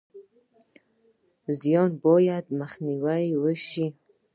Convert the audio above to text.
زیان باید مخنیوی شي